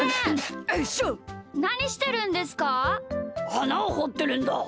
あなをほってるんだ。